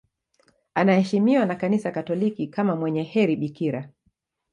Anaheshimiwa na Kanisa Katoliki kama mwenye heri bikira.